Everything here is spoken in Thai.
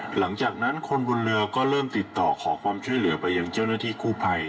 หลังจากนั้นคนบนเรือก็เริ่มติดต่อขอความช่วยเหลือไปยังเจ้าหน้าที่กู้ภัย